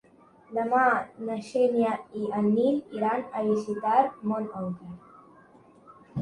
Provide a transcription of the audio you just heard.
Demà na Xènia i en Nil iran a visitar mon oncle.